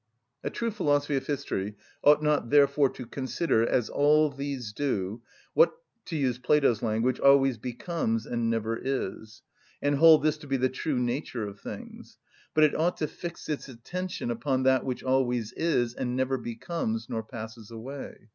A true philosophy of history ought not therefore to consider, as all these do, what (to use Plato's language) always becomes and never is, and hold this to be the true nature of things; but it ought to fix its attention upon that which always is and never becomes nor passes away.